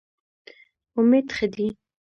امید ښه دی.